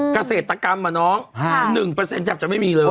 เกษตรกรรมอะน้อง๑แทบจะไม่มีเลย